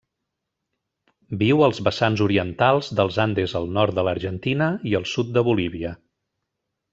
Viu als vessants orientals dels Andes al nord de l'Argentina i el sud de Bolívia.